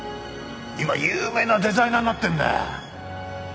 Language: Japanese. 今有名なデザイナーになってんだよ。